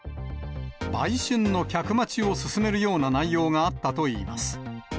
売春の客待ちを勧めるような内容があったといいます。